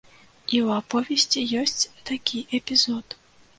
І ў аповесці ёсць такі эпізод.